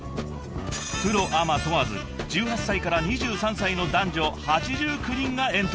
［プロアマ問わず１８歳から２３歳の男女８９人がエントリー］